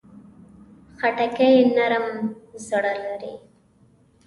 خټکی نرم زړه لري.